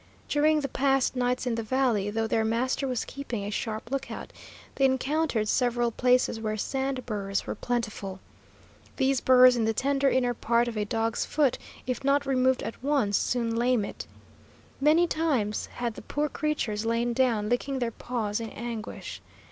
During the past nights in the valley, though their master was keeping a sharp lookout, they encountered several places where sand burrs were plentiful. These burrs in the tender inner part of a dog's foot, if not removed at once, soon lame it. Many times had the poor creatures lain down, licking their paws in anguish.